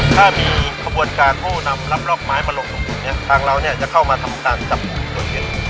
ติดตามในไทรัตย์เจาะประเด็น๒๕๒๘กรกฎาคมนี้